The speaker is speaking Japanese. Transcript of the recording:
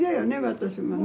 私もね。